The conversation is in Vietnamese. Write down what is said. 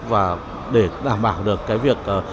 và để đảm bảo được cái việc